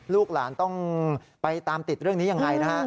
ลูกหลานต้องไปตามติดเรื่องนี้ยังไงนะฮะ